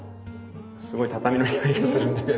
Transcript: すごい畳のにおいがするんだけれど。